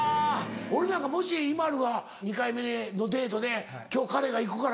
俺なんかもしＩＭＡＬＵが２回目のデートで「今日彼が行くから」